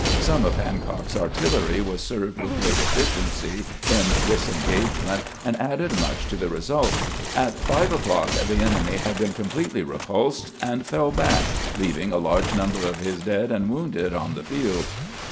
Some of Hancock's artillery was served with great efficiency in this engage ment, and added much to the result. At five o'clock gbant's demeanoe on the field 63 the enemy had been completely repulsed, and fell back, leaving a large number of his dead and wounded on the field.